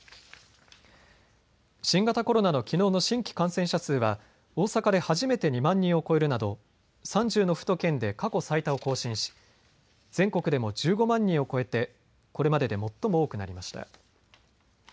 新型コロナのきのうの新規感染者数は大阪で初めて２万人を超えるなど３０の府と県で過去最多を更新し全国でも１５万人を超えてこれまでで最も多くなりました。